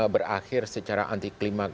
berakhir secara anti klimat